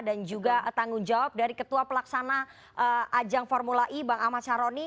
dan juga tanggung jawab dari ketua pelaksana ajang formula e bang amah syahroni